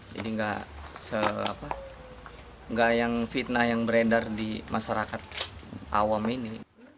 jadi nggak se apa nggak yang fitnah yang beredar di masyarakat awam ini